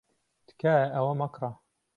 تکایە ئەوە مەکڕە.